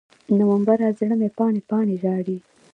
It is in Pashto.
نومبره، زړه مې پاڼې، پاڼې ژاړي